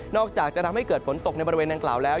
อกจากจะทำให้เกิดฝนตกในบริเวณดังกล่าวแล้ว